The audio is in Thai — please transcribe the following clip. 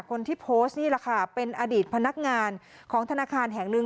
คนที่โพสต์นี่แหละค่ะเป็นอดีตพนักงานของธนาคารแห่งหนึ่ง